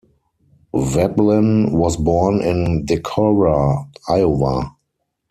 Veblen was born in Decorah, Iowa.